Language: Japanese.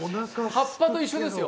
葉っぱと一緒ですよ。